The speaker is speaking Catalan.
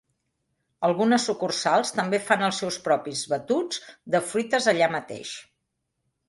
Algunes sucursals també fan els seus propis batuts de fruites allà mateix.